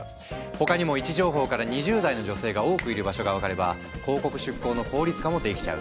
他にも位置情報から２０代の女性が多くいる場所が分かれば広告出稿の効率化もできちゃう。